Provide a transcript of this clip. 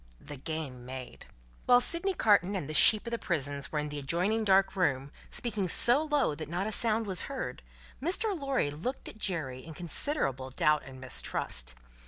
The Game Made While Sydney Carton and the Sheep of the prisons were in the adjoining dark room, speaking so low that not a sound was heard, Mr. Lorry looked at Jerry in considerable doubt and mistrust.